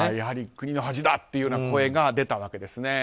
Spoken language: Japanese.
やはり国の恥だという声が出たわけです。